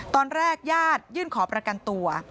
ตอนแรกญาติยื่นขอประกันตัว